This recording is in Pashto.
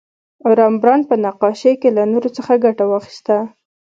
رامبراند په نقاشۍ کې له نور څخه ګټه واخیسته.